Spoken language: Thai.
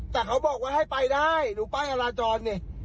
แต่เขาบอกว่าให้ไปได้ดูป้ายจราจรนี่